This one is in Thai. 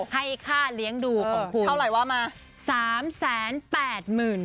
ให้ค่าเลี้ยงดูของคุณ